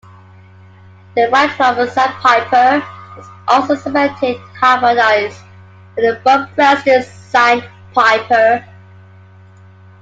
The white-rumped sandpiper is also suspected to hybridize with the buff-breasted sandpiper.